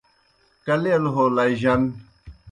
کلیل ہو لائیجن